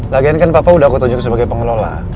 lagian kan papa udah aku tunjuk sebagai pengelola